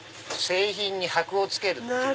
製品に箔を付ける。